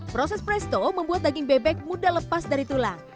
proses presto membuat daging bebek mudah lepas dari tulang